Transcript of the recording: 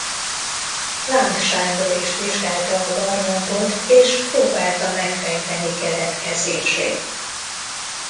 Láng Sándor is vizsgálta a barlangot és próbálta megfejteni keletkezését.